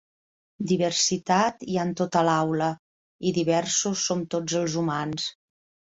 Diversitat hi ha en tota l'aula i diversos som tots els humans.